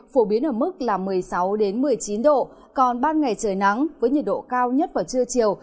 phổ biến ở mức một mươi sáu một mươi chín độ còn ban ngày trời nắng với nhiệt độ cao nhất vào trưa chiều